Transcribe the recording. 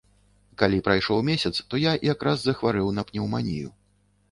Калі прайшоў месяц, то я якраз захварэў на пнеўманію.